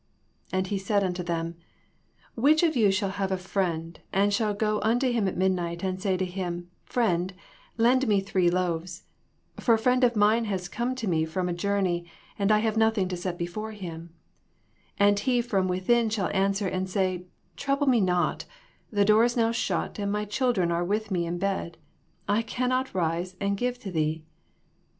^^ And He said unto them. Which of you shall have a friend, and shall go unto him at midnight, and say to him, Friend, lend me three loaves ; for a friend of mine is come to me from a journey, and I have nothing to set before him ; and he from within shall answer and say, Trouble me not ; the door is now shut, and my children are with me in bed ; I cannot rise and give thee